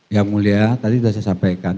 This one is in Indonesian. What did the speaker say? yang mulia tadi sudah saya sampaikan